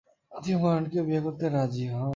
তিনি হুমায়ুনকে বিয়ে করতে রাজি হন।